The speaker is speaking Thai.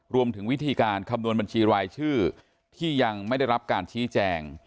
รวมถึงวิธีการคำนวณบัญชีรายชื่อที่ยังไม่ได้รับการชี้แจง